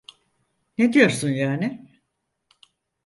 Ne diyorsun yani?